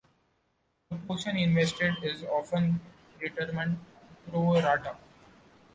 The portion invested is often determined pro-rata.